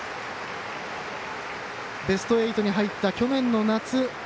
ベスト８に入った去年の夏。